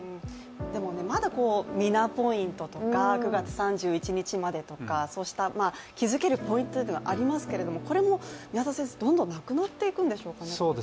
でもまだミナポイントとか９月３１日までとか、そうした気づけるポイントがありますけれども、これも宮田先生、どんどんなくなっていくんでしょうか。